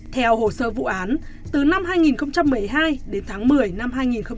theo hồ sơ vụ án từ năm hai nghìn một mươi hai đến tháng một mươi năm hai nghìn một mươi bảy